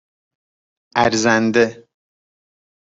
اَرزنده